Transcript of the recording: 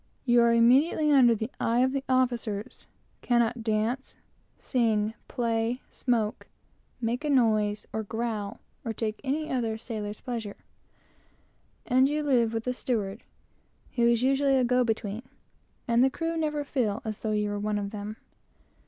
You are immediately under the eye of the officers, cannot dance, sing, play, smoke, make a noise, or growl, (i.e. complain,) or take any other sailor's pleasure; and you live with the steward, who is usually a go between; and the crew never feel as though you were one of them.